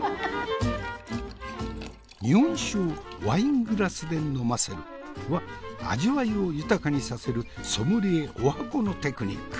「日本酒をワイングラスで呑ませる」は味わいを豊かにさせるソムリエ十八番のテクニック。